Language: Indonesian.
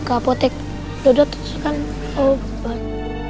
apotek dodot terus kan obat